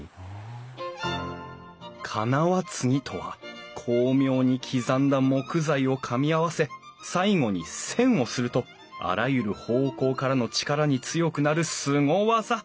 金輪継ぎとは巧妙に刻んだ木材をかみ合わせ最後に栓をするとあらゆる方向からの力に強くなるすご技。